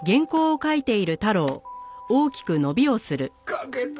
書けた！